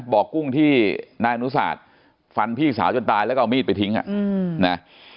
กุ้งที่นายอนุสาธฟันพี่สาวจนตายแล้วก็เอามีดไปทิ้งนะ